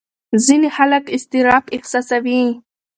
ځینې خلک اضطراب احساسوي.